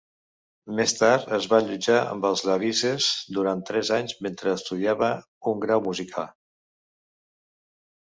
Més tard es va allotjar amb els Leavises durant tres anys mentre estudiava un grau música.